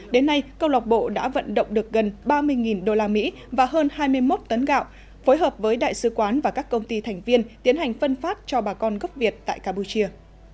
đến nay câu lọc bộ đã vận động được gần ba mươi usd và hơn hai mươi một tấn gạo phối hợp với đại sứ quán và các công ty thành viên tiến hành phân phát cho bà con gốc việt tại campuchia